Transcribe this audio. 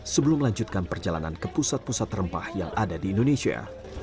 sebelum melanjutkan perjalanan ke pusat pusat rempah yang ada di indonesia